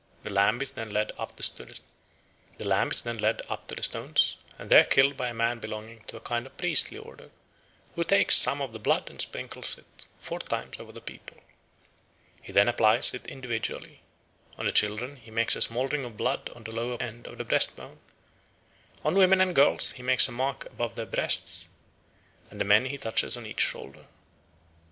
The lamb is then led up to the stones, and there killed by a man belonging to a kind of priestly order, who takes some of the blood and sprinkles it four times over the people. He then applies it individually. On the children he makes a small ring of blood over the lower end of the breast bone, on women and girls he makes a mark above the breasts, and the men he touches on each shoulder.